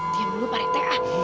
diam dulu pak rt ah